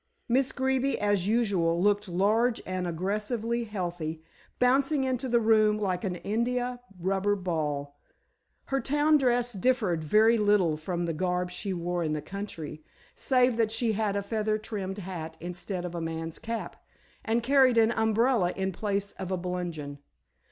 Miss Greeby, as usual, looked large and aggressively healthy, bouncing into the room like an india rubber ball. Her town dress differed very little from the garb she wore in the country, save that she had a feather trimmed hat instead of a man's cap, and carried an umbrella in place of a bludgeon.